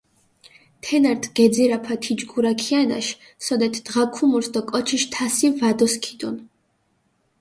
თენა რდჷ გეძირაფა თიჯგურა ქიანაშ, სოდეთ დღა ქუმურს დო კოჩიშ თასი ვადოსქიდუნ.